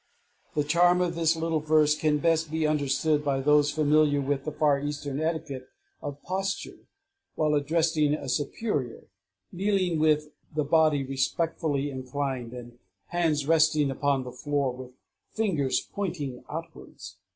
The charm of this little verse can best be understood by those familiar with the far Eastern etiquette of posture while addressing a superior, kneeling, with the body respectfully inclined, and hands resting upon the floor, with the fingers pointing outwards.